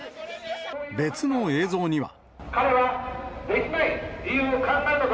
別の映像には。